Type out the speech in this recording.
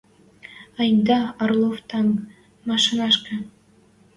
Айда, Орлов тӓнг, машинӓшкӹ!